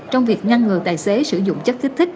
trong việc ngăn ngừa tài xế sử dụng chất kích thích